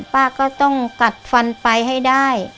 ป้าก็ต้องกัดฟันไปให้ได้